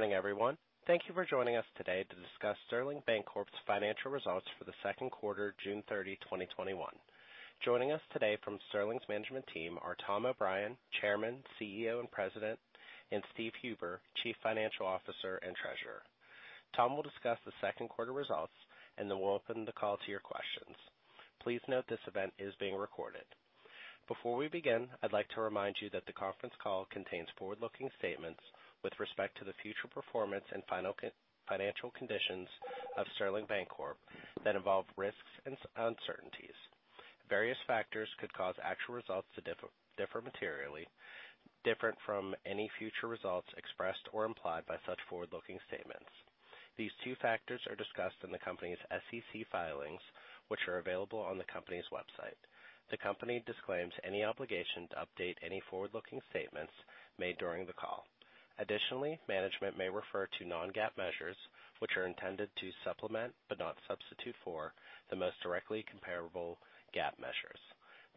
Good morning, everyone. Thank you for joining us today to discuss Sterling Bancorp's financial results for the second quarter, June 30, 2021. Joining us today from Sterling's management team are Tom O'Brien, Chairman, CEO, and President, and Steve Huber, Chief Financial Officer and Treasurer. Tom will discuss the second quarter results, and then we'll open the call to your questions. Please note this event is being recorded. Before we begin, I'd like to remind you that the conference call contains forward-looking statements with respect to the future performance and financial conditions of Sterling Bancorp that involve risks and uncertainties. Various factors could cause actual results to differ materially different from any future results expressed or implied by such forward-looking statements. These two factors are discussed in the company's SEC filings, which are available on the company's website. The company disclaims any obligation to update any forward-looking statements made during the call. Additionally, management may refer to non-GAAP measures, which are intended to supplement, but not substitute for, the most directly comparable GAAP measures.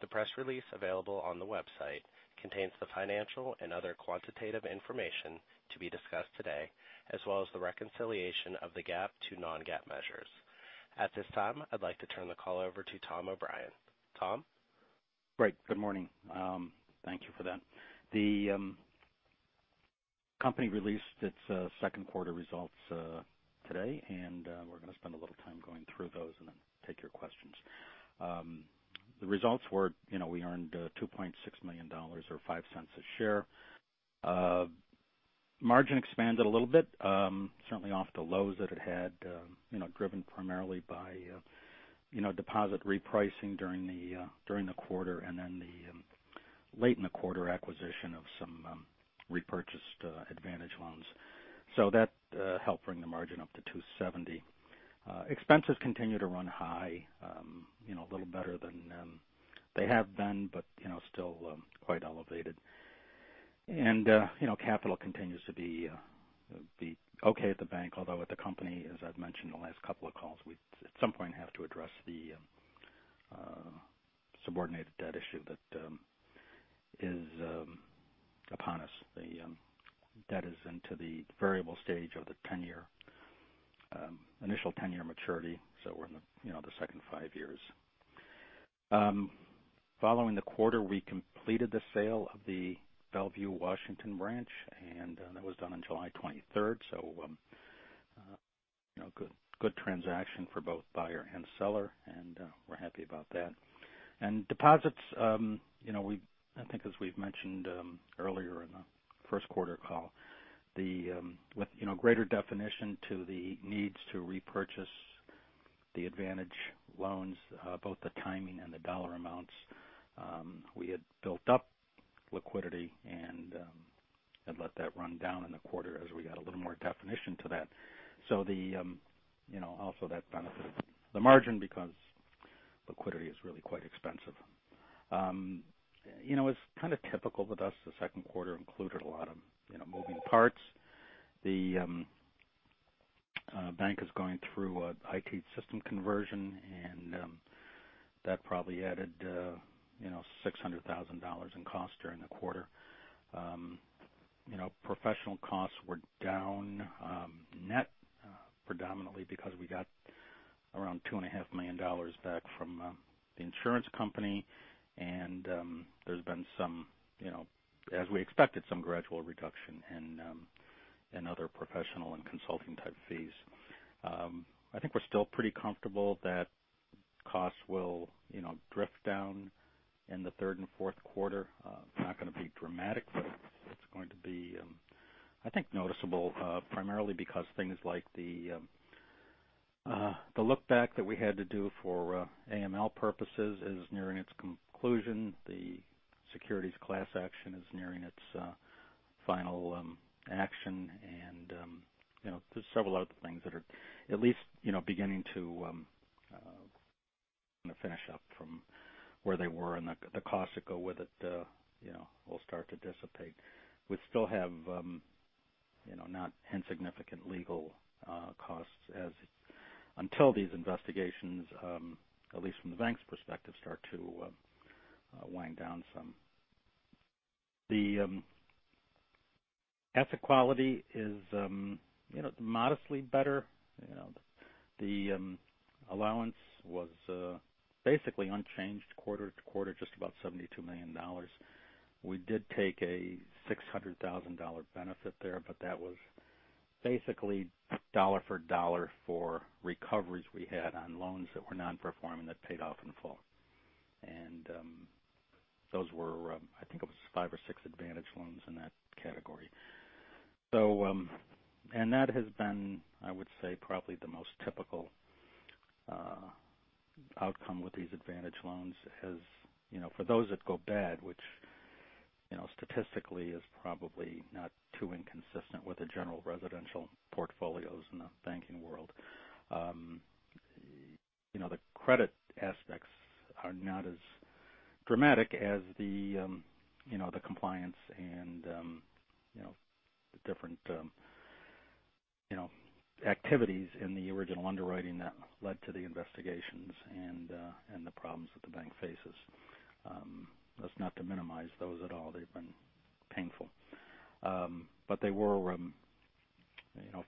The press release available on the website contains the financial and other quantitative information to be discussed today, as well as the reconciliation of the GAAP to non-GAAP measures. At this time, I'd like to turn the call over to Tom O'Brien. Tom? Great. Good morning. Thank you for that. The company released its second quarter results today, and we're going to spend a little time going through those and then take your questions. The results were, we earned $2.6 million, or $0.05 a share. Margin expanded a little bit, certainly off the lows that it had, driven primarily by deposit repricing during the quarter and then the late in the quarter acquisition of some repurchased Advantage Loan Program loans. That helped bring the margin up to 2.70%. Expenses continue to run high, a little better than they have been, but still quite elevated. Capital continues to be okay at the bank. Although at the company, as I've mentioned the last couple of calls, we at some point have to address the subordinated debt issue that is upon us. The debt is into the variable stage of the initial 10-year maturity, we're in the second five years. Following the quarter, we completed the sale of the Bellevue, Washington branch, that was done on July 23rd. Good transaction for both buyer and seller, we're happy about that. Deposits, I think as we've mentioned earlier in the first quarter call, with greater definition to the needs to repurchase the Advantage loans, both the timing and the dollar amounts, we had built up liquidity and had let that run down in the quarter as we got a little more definition to that. Also that benefited the margin because liquidity is really quite expensive. It's kind of typical with us, the second quarter included a lot of moving parts. The bank is going through an IT system conversion, that probably added $600,000 in cost during the quarter. Professional costs were down net predominantly because we got around $2.5 million back from the insurance company, there's been some, as we expected, some gradual reduction in other professional and consulting type fees. I think we're still pretty comfortable that costs will drift down in the third and fourth quarter. Not going to be dramatic, it's going to be, I think noticeable, primarily because things like the look back that we had to do for AML purposes is nearing its conclusion. The securities class action is nearing its final action. There's several other things that are at least beginning to finish up from where they were, and the costs that go with it will start to dissipate. We still have not insignificant legal costs until these investigations, at least from the bank's perspective, start to wind down some. The asset quality is modestly better. The allowance was basically unchanged quarter to quarter, just about $72 million. We did take a $600,000 benefit there, but that was basically dollar for dollar for recoveries we had on loans that were non-performing that paid off in full. Those were, I think it was five or six Advantage loans in that category. That has been, I would say, probably the most typical outcome with these Advantage loans. For those that go bad, which statistically is probably not too inconsistent with the general residential portfolios in the banking world. The credit aspects are not as dramatic as the compliance and the different, you know, activities in the original underwriting that led to the investigations and the problems that the bank faces. That's not to minimize those at all. They've been painful. They were,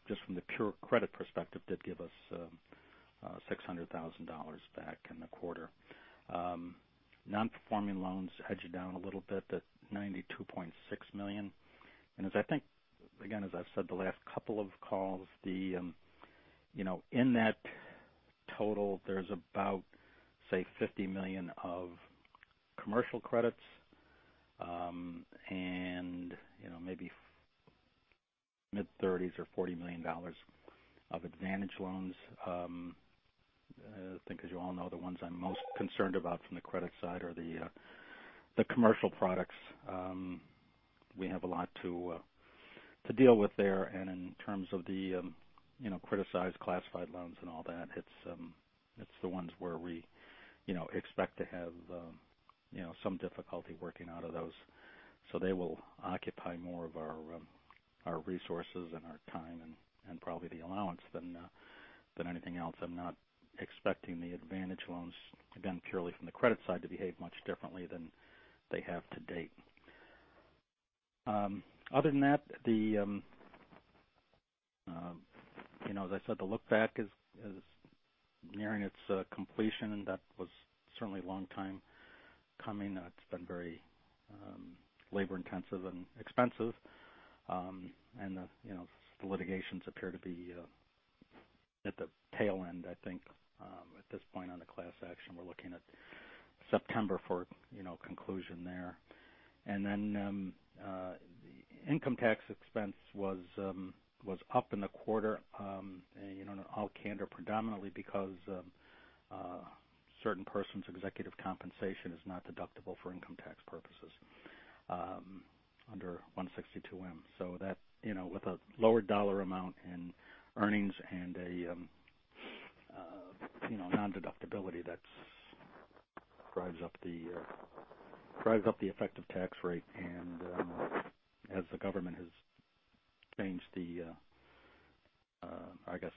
just from the pure credit perspective, did give us $600,000 back in the quarter. Non-performing loans hedged down a little bit to $92.6 million. As I think, again, as I've said the last couple of calls, in that total, there's about, say, $50 million of commercial credits, and maybe mid-thirties or $40 million of Advantage loans. I think as you all know, the ones I'm most concerned about from the credit side are the commercial products. We have a lot to deal with there. In terms of the criticized classified loans and all that, it's the ones where we expect to have some difficulty working out of those. They will occupy more of our resources and our time and probably the allowance than anything else. I'm not expecting the Advantage loans, again, purely from the credit side, to behave much differently than they have to date. Other than that, as I said, the look-back is nearing its completion. That was certainly a long time coming. It's been very labor intensive and expensive. The litigations appear to be at the tail end, I think, at this point on the class action. We're looking at September for conclusion there. Income tax expense was up in the quarter. In all candor, predominantly because a certain person's executive compensation is not deductible for income tax purposes under 162(m). That, with a lower dollar amount in earnings and a non-deductibility, that drives up the effective tax rate. As the government has changed the, I guess,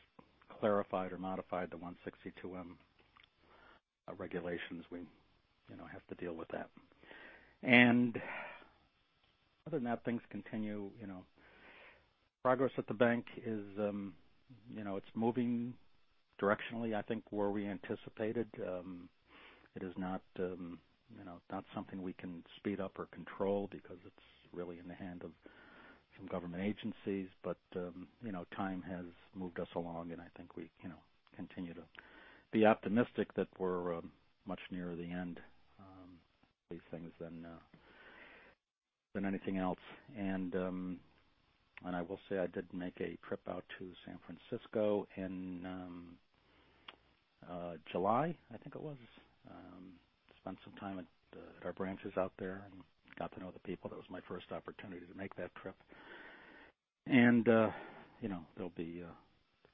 clarified or modified the 162(m) regulations, we have to deal with that. Other than that, things continue. Progress at the bank is moving directionally, I think, where we anticipated. It is not something we can speed up or control because it's really in the hand of some government agencies. Time has moved us along, and I think we continue to be optimistic that we're much nearer the end of these things than anything else. I will say, I did make a trip out to San Francisco in July, I think it was. Spent some time at our branches out there and got to know the people. That was my first opportunity to make that trip. There'll be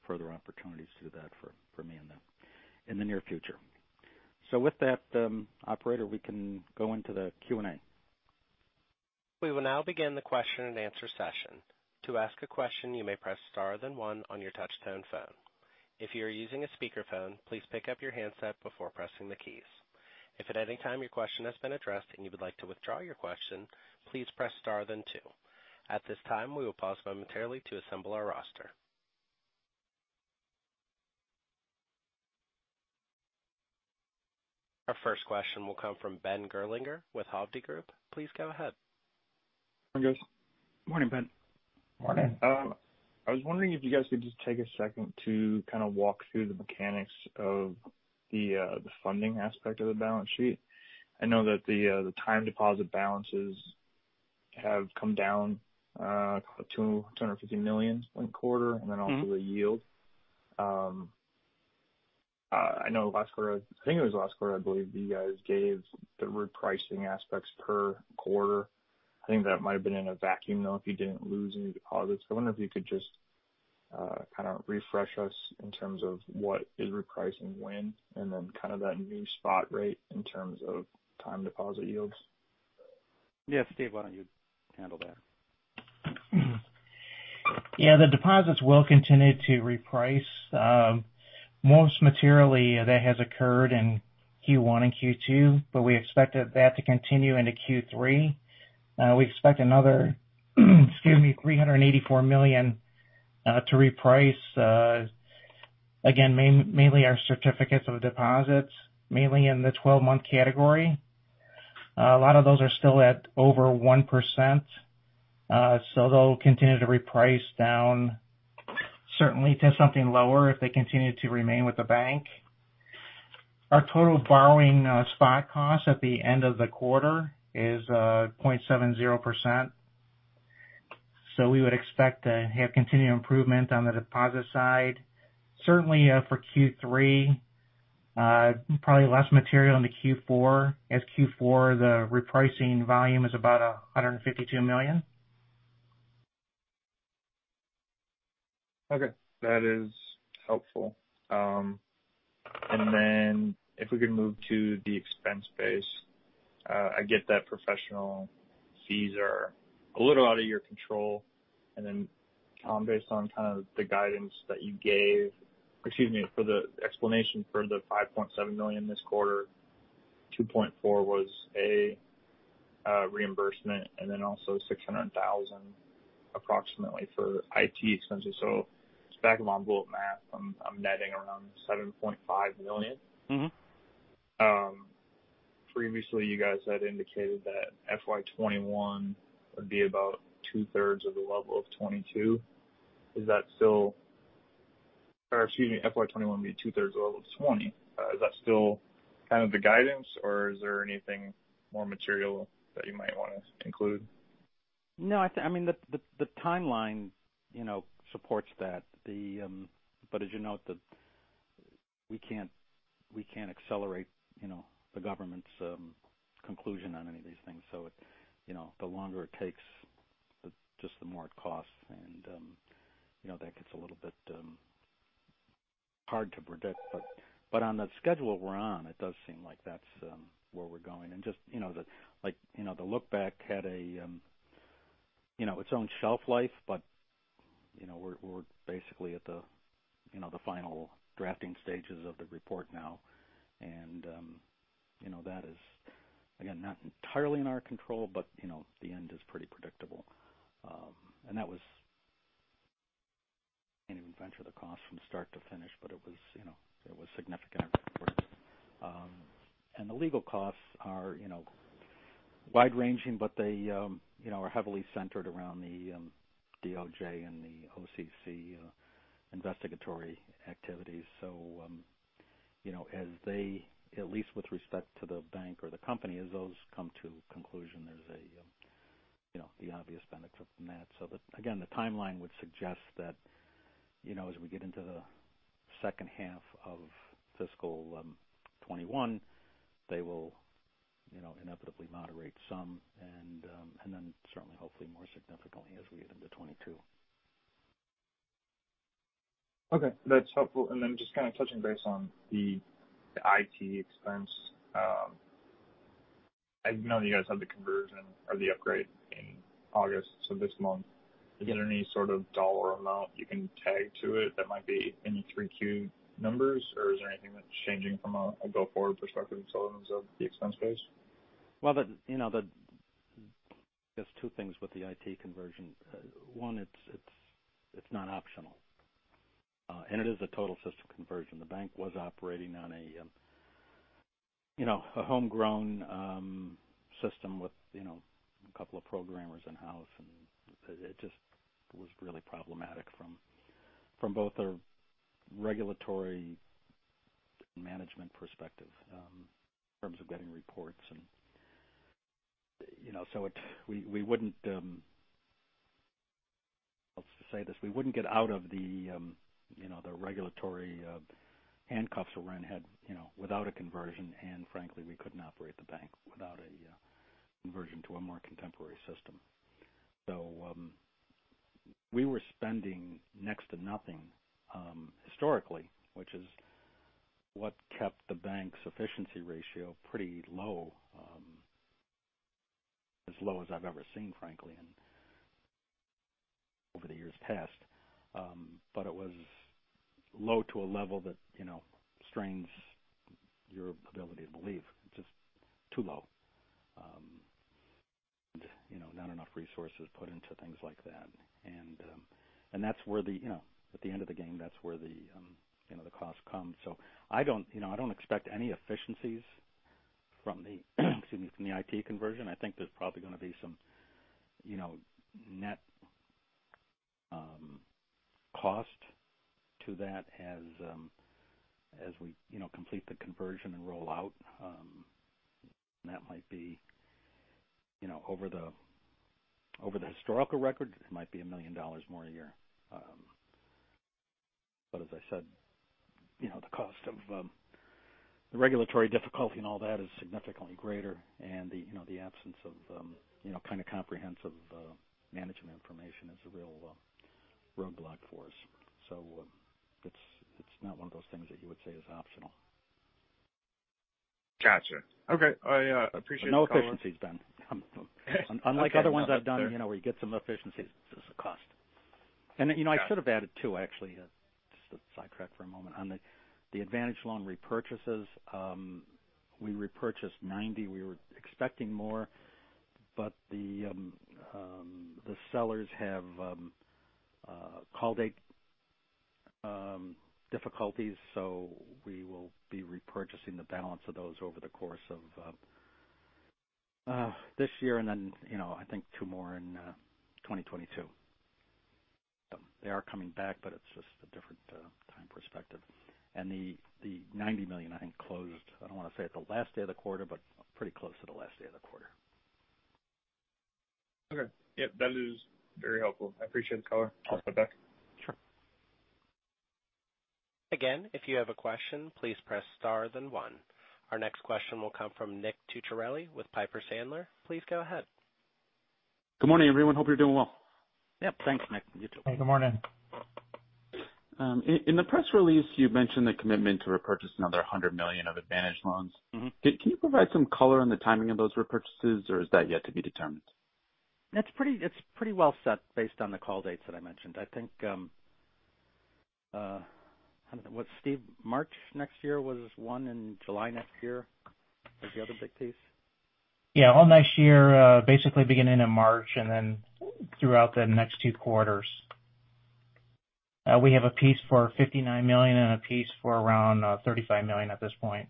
further opportunities to do that for me in the near future. With that, operator, we can go into the Q&A. We will now begin the Q&A session. To ask a question, you may press star then one on your touchtone phone. If you are using a speakerphone, please pick up your handset before pressing the keys. If at any time your question has been addressed and you would like to withdraw your question, please press star then two. At this time, we will pause momentarily to assemble our roster. Our first question will come from Ben Gerlinger with Hovde Group. Please go ahead. Morning, guys. Morning, Ben. Morning. I was wondering if you guys could just take a second to kind of walk through the mechanics of the funding aspect of the balance sheet. I know that the time deposit balances have come down $250 million one quarter. Also the yield. I know last quarter, I believe you guys gave the repricing aspects per quarter. I think that might have been in a vacuum, though, if you didn't lose any deposits. I wonder if you could just kind of refresh us in terms of what is repricing when, and then kind of that new spot rate in terms of time deposit yields. Yeah, Steve, why don't you handle that? Yeah. The deposits will continue to reprice. Most materially that has occurred in Q1 and Q2, but we expected that to continue into Q3. We expect another, excuse me, $384 million to reprice. Again, mainly our certificates of deposits, mainly in the 12-month category. A lot of those are still at over 1%, so they'll continue to reprice down certainly to something lower if they continue to remain with the bank. Our total borrowing spot cost at the end of the quarter is 0.70%, so we would expect to have continued improvement on the deposit side, certainly for Q3. Probably less material into Q4, as Q4, the repricing volume is about $152 million. Okay. That is helpful. If we could move to the expense base. I get that professional fees are a little out of your control, and then based on the guidance that you gave, excuse me, for the explanation for the $5.7 million this quarter, $2.4 was a reimbursement, and then also $600,000 approximately for IT expenses. Just back of envelope math, I'm netting around $7.5 million. Previously, you guys had indicated that FY 2021 would be about two-thirds of the level of 2022. Or excuse me, FY 2021 would be two-thirds of the level of 2020. Is that still the guidance, or is there anything more material that you might want to include? No. The timeline supports that. As you note, we can't accelerate the government's conclusion on any of these things. The longer it takes, just the more it costs, and that gets a little bit hard to predict. On the schedule we're on, it does seem like that's where we're going. The look-back had its own shelf life, but we're basically at the final drafting stages of the report now. That is, again, not entirely in our control, but the end is pretty predictable. I can't even venture the cost from start to finish, but it was significant effort. The legal costs are wide-ranging, but they are heavily centered around the DOJ and the OCC investigatory activities. At least with respect to the bank or the company, as those come to conclusion, there's the obvious benefit from that. Again, the timeline would suggest that as we get into the second half of fiscal 2021, they will inevitably moderate some, and then certainly hopefully more significantly as we get into 2022. Okay, that's helpful. Just touching base on the IT expense. I know you guys have the conversion or the upgrade in August, so this month. Is there any sort of dollar amount you can tag to it that might be in your 3Q numbers, or is there anything that's changing from a go-forward perspective in terms of the expense base? There's two things with the IT conversion. One, it's not optional. It is a total system conversion. The bank was operating on a homegrown system with a couple of programmers in-house, and it just was really problematic from both a regulatory and management perspective in terms of getting reports. We wouldn't get out of the regulatory handcuffs we're in without a conversion, and frankly, we couldn't operate the bank without a conversion to a more contemporary system. We were spending next to nothing historically, which is what kept the bank's efficiency ratio pretty low, as low as I've ever seen, frankly, over the years past. It was low to a level that strains your ability to believe. Just too low. Not enough resources put into things like that. At the end of the game, that's where the cost comes. I don't expect any efficiencies from the IT conversion. I think there's probably going to be some net cost to that as we complete the conversion and roll out. That might be over the historical record, it might be $1 million more a year. As I said, the cost of the regulatory difficulty and all that is significantly greater. The absence of comprehensive management information is a real roadblock for us. It's not one of those things that you would say is optional. Got you. Okay. I appreciate the call. No efficiencies done. Okay. Unlike other ones I've done where you get some efficiencies. This is a cost. I should have added, too, actually, just a sidetrack for a moment. On the Advantage Loan repurchases, we repurchased $90 million. We were expecting more, but the sellers have call date difficulties, so we will be repurchasing the balance of those over the course of this year and then I think two more in 2022. They are coming back, but it's just a different time perspective. The $90 million, I think, closed, I don't want to say at the last day of the quarter, but pretty close to the last day of the quarter. Okay. Yep. That is very helpful. I appreciate the call. I'll step back. Sure. Again, if you have a question, please press star then one. Our next question will come from Nick Cucharale with Piper Sandler. Please go ahead. Good morning, everyone. Hope you're doing well. Yep. Thanks, Nick. You too. Good morning. In the press release, you mentioned the commitment to repurchase another $100 million of Advantage loans. Can you provide some color on the timing of those repurchases, or is that yet to be determined? It's pretty well set based on the call dates that I mentioned. I think, was Steve, March next year was one and July next year was the other big piece. Yeah. All next year, basically beginning in March and then throughout the next two quarters. We have a piece for $59 million and a piece for around $35 million at this point.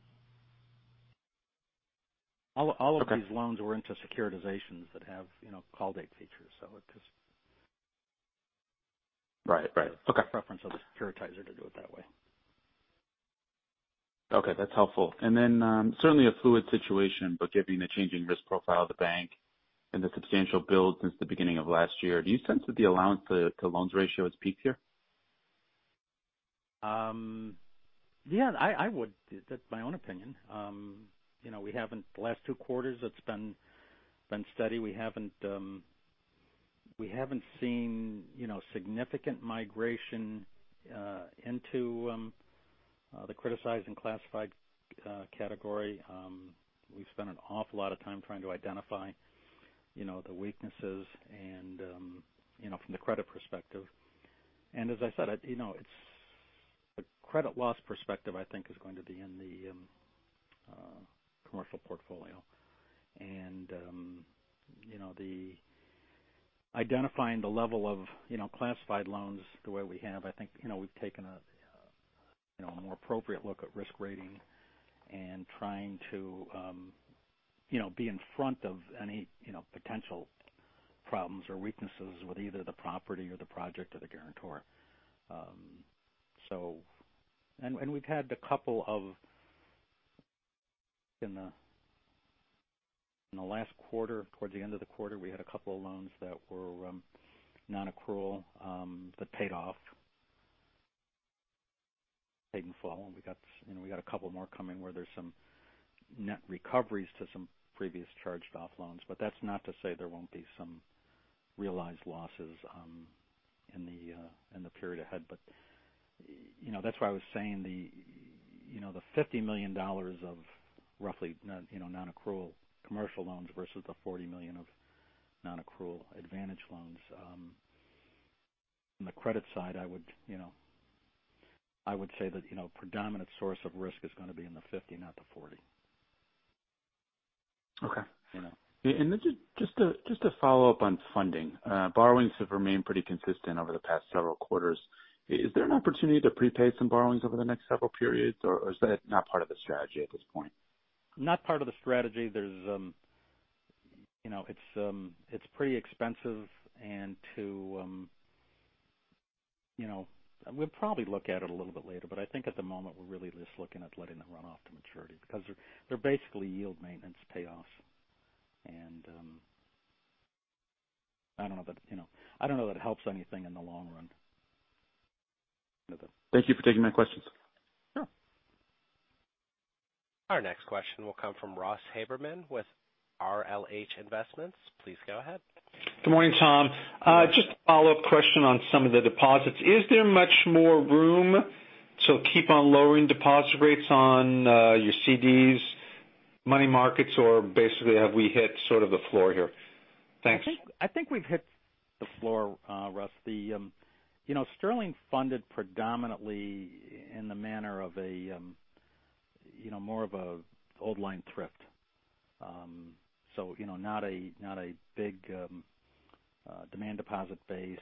All of these loans were into securitizations that have call date features. Right. Okay. Preference of the securitizer to do it that way. Okay. That's helpful. Certainly a fluid situation, but given the changing risk profile of the bank and the substantial build since the beginning of last year, do you sense that the allowance to loans ratio has peaked here? Yeah, I would. That's my own opinion. The last two quarters it's been steady. We haven't seen significant migration into the criticized and classified category. We've spent an awful lot of time trying to identify the weaknesses from the credit perspective. As I said, the credit loss perspective, I think, is going to be in the commercial portfolio. Identifying the level of classified loans the way we have, I think we've taken a more appropriate look at risk rating and trying to be in front of any potential problems or weaknesses with either the property or the project or the guarantor. We've had a couple of, in the last quarter, towards the end of the quarter, we had a couple of loans that were non-accrual, but paid in full. We got a couple more coming where there's some net recoveries to some previous charged-off loans. That's not to say there won't be some realized losses in the period ahead. That's why I was saying the $50 million of roughly non-accrual commercial loans versus the $40 million of non-accrual Advantage loans. From the credit side, I would say that predominant source of risk is going to be in the $50 million, not the $40 million. Okay. You know. Just to follow up on funding. Borrowings have remained pretty consistent over the past several quarters. Is there an opportunity to prepay some borrowings over the next several periods, or is that not part of the strategy at this point? Not part of the strategy. It's pretty expensive. We'll probably look at it a little bit later, but I think at the moment, we're really just looking at letting them run off to maturity because they're basically yield maintenance payoffs. I don't know that it helps anything in the long run. Thank you for taking my questions. Sure. Our next question will come from Ross Haberman with RLH Investments. Please go ahead. Good morning, Tom. Just a follow-up question on some of the deposits. Is there much more room to keep on lowering deposit rates on your CDs, money markets, or basically have we hit sort of the floor here? Thanks. I think we've hit the floor, Ross. Sterling funded predominantly in the manner of more of an old line thrift, not a big demand deposit base,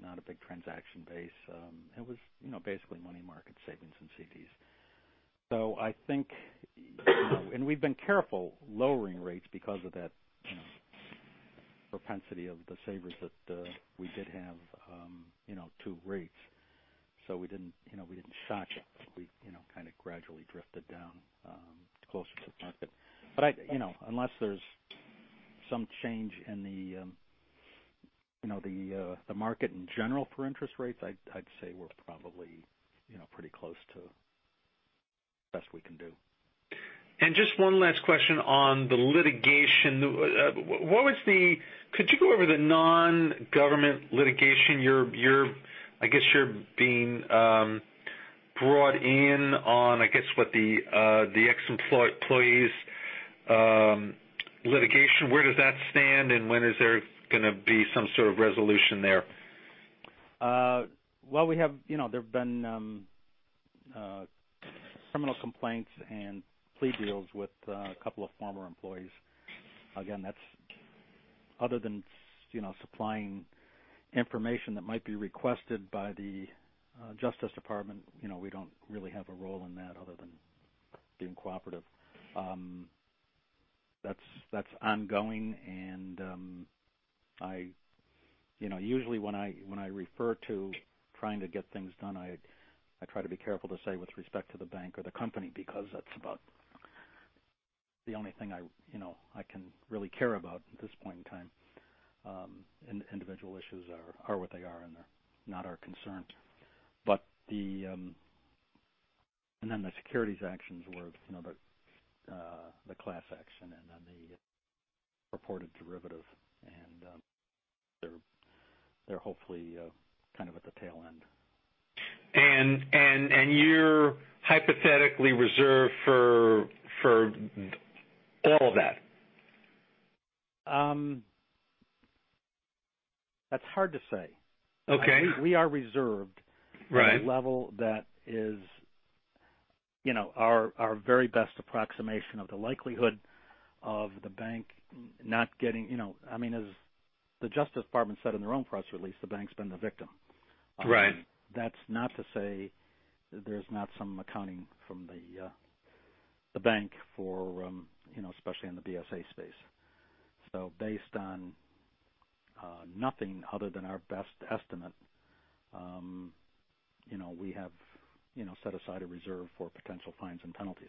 not a big transaction base. It was basically money market savings and CDs. We've been careful lowering rates because of that propensity of the savers that we did have to rates. We didn't shock it. We kind of gradually drifted down closer to market. Unless there's some change in the market in general for interest rates, I'd say we're probably pretty close to the best we can do. Just one last question on the litigation. Could you go over the non-government litigation? I guess you're being brought in on, I guess what the ex-employees litigation. Where does that stand, and when is there going to be some sort of resolution there? There've been criminal complaints and plea deals with two former employees. Again, other than supplying information that might be requested by the Department of Justice, we don't really have a role in that other than being cooperative. That's ongoing, and usually when I refer to trying to get things done, I try to be careful to say with respect to the bank or the company, because that's about the only thing I can really care about at this point in time. Individual issues are what they are, and they're not our concern. The securities actions were the class action and then the purported derivative. They're hopefully kind of at the tail end. You're hypothetically reserved for all of that. That's hard to say. Okay. We are reserved- Right. at a level that is our very best approximation of the likelihood of the bank, as the Department of Justice said in their own press release, the bank's been the victim. Right. That's not to say there's not some accounting from the bank, especially in the BSA space. Based on nothing other than our best estimate, we have set aside a reserve for potential fines and penalties.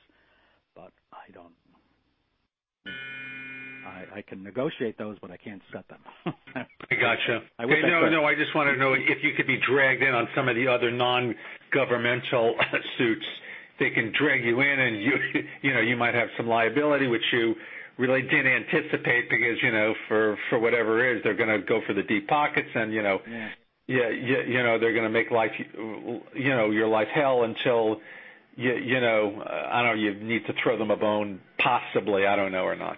I can negotiate those, but I can't set them. I got you. I wish I could. No. I just want to know if you could be dragged in on some of the other non-governmental suits. They can drag you in and you might have some liability which you really didn't anticipate because, for whatever it is, they're going to go for the deep pockets. Yeah. They're going to make your life hell until, I don't know, you need to throw them a bone, possibly, I don't know or not.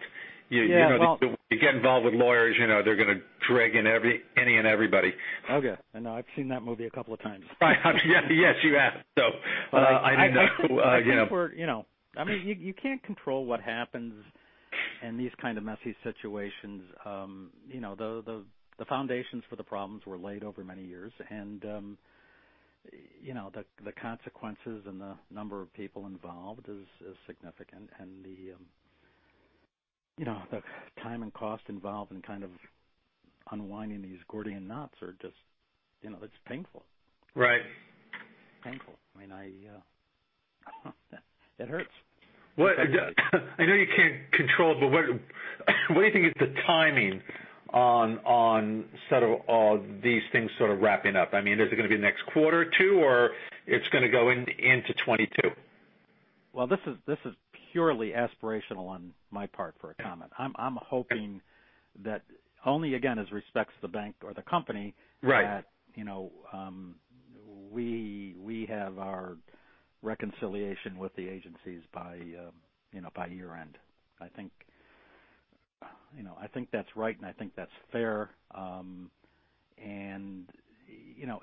Yeah. You get involved with lawyers, they're going to drag in any and everybody. Okay. I know. I've seen that movie a couple of times. Yes, you have. I did not- You can't control what happens in these kind of messy situations. The foundations for the problems were laid over many years. The consequences and the number of people involved is significant. The time and cost involved in kind of unwinding these Gordian knots are just, it's painful. Right. Painful. It hurts. I know you can't control it, but what do you think is the timing on set of all these things sort of wrapping up? Is it going to be the next quarter two, or it's going to go into 2022? Well, this is purely aspirational on my part for a comment. I'm hoping that only, again, as respects the bank or the company- Right. that we have our reconciliation with the agencies by year-end. I think that's right, and I think that's fair.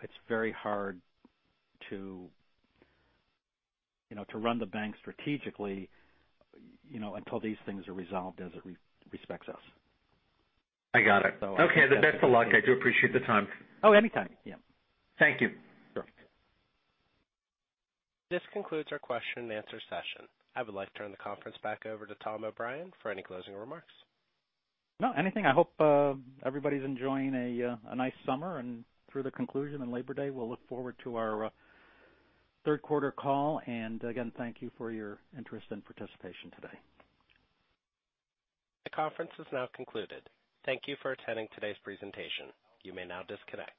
It's very hard to run the bank strategically until these things are resolved as it respects us. I got it. So I think that's- Okay. The best of luck. I do appreciate the time. Oh, anytime. Yeah. Thank you. Sure. This concludes our Q&A session. I would like to turn the conference back over to Tom O'Brien for any closing remarks. No, anything. I hope everybody's enjoying a nice summer, through the conclusion of Labor Day, we'll look forward to our third quarter call. Again, thank you for your interest and participation today. The conference is now concluded. Thank you for attending today's presentation. You may now disconnect.